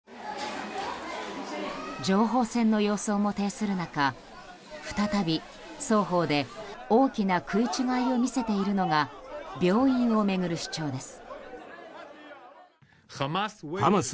情報戦の様相も呈する中再び双方で大きな食い違いを見せているのが病院を巡る主張です。